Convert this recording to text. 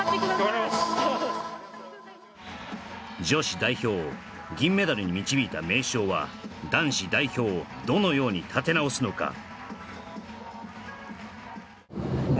女子代表を銀メダルに導いた名将は男子代表をどのように立て直すのか？